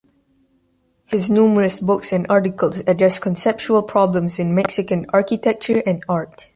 His numerous books and articles addressed conceptual problems in Mexican architecture and art.